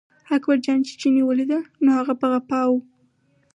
اکبرجان چې چیني ولیده، نو هغه په غپا و.